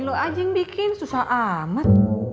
lo aja yang bikin susah amat